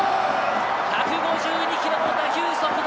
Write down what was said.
１５２キロの打球速度！